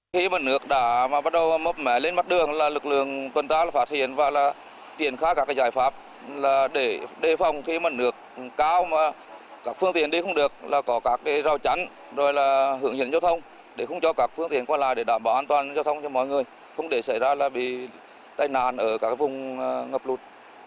khi mặt nước đã bắt đầu mất mẻ lên mắt đường là lực lượng quân ta phát hiện và tiện khá các giải pháp để đề phòng khi mặt nước cao mà các phương tiện đi không được là có các rào chắn rồi là hưởng nhận giao thông để không cho các phương tiện qua lại để đảm bảo an toàn giao thông cho mọi người không để xảy ra là bị tai nạn ở các vùng ngập lụt